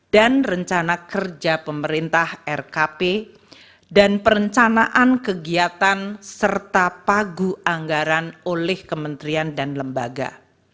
dan rencana kerja pemerintah rkp dan perencanaan kegiatan serta pagu anggaran oleh kementerian dan lembaga